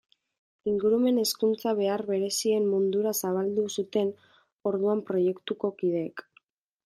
Ingurumen hezkuntza behar berezien mundura zabaldu zuten orduan proiektuko kideek.